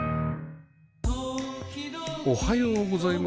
おはようございます。